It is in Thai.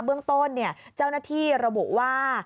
เบื้องต้นเจ้าหน้าที่ระบุว่า